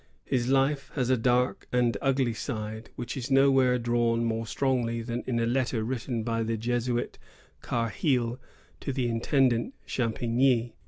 His life has a dark and ugly side, which is nowhere drawn more strongly than in a letter written by the Jesuit Carheil to the intendant Champigny.